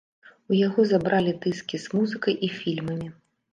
У яго забралі дыскі з музыкай і фільмамі.